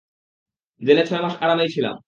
জেলে ছয়মাস আরামেই ছিলাম।